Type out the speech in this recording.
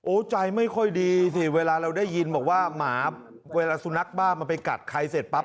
ใจไม่ค่อยดีสิเวลาเราได้ยินบอกว่าหมาเวลาสุนัขบ้ามันไปกัดใครเสร็จปั๊บ